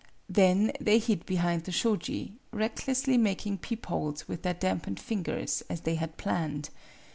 Then they hid behind the shoji, recklessly making peep holes with their dampened fin gers, as they had planned.